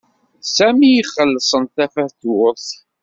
D Sami i ixellṣen tafatuṛt.